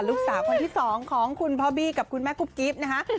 ลูกสาวคนที่๒ของคุณพ่อบี้กับคุณแม่กุ๊บกิ๊บนะคะ